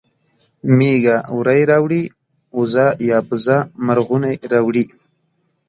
مېږه وری راوړي اوزه یا بزه مرغونی راوړي